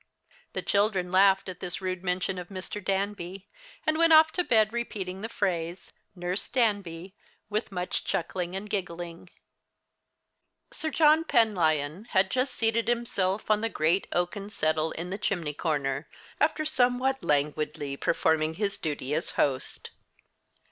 The children laughed at this rude mention of Mr. Danby, and went off to bed repeating the phrase "Nurse Danby" with much chuckling and giggling. Sir John Penlyon had just seated himself on the great oaken settle in the chimney corner, after somewhat languidly performing his duty as host.